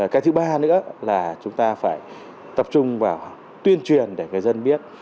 cái thứ ba nữa là chúng ta phải tập trung vào tuyên truyền để người dân biết